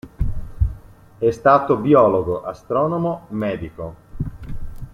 È stato biologo, astronomo, medico.